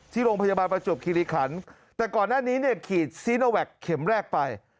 ที่โรงพยาบาลประจวบคิริขันแต่ก่อนหน้านี้เนี่ยขีดซีโนแวคเข็มแรกไป